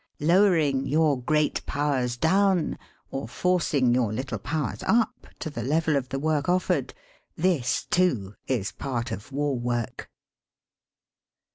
Lowering your great powers down, or forcing your little powers up, to the level of the work offered — ^this, too, is part of war work.